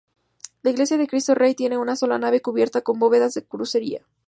La iglesia de Cristo Rey tiene una sola nave cubierta con bóvedas de crucería.